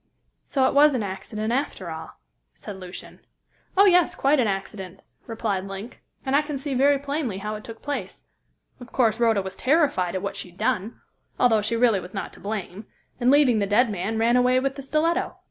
"So it was an accident, after all?" said Lucian. "Oh, yes, quite an accident," replied Link, "and I can see very plainly how it took place. Of course, Rhoda was terrified at what she had done although she really was not to blame and leaving the dead man, ran away with the stiletto.